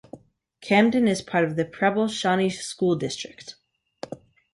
Camden is part of the Preble Shawnee School District.